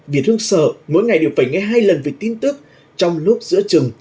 việt hương sợ mỗi ngày đều phải nghe hai lần về tin tức trong lúc giữa trường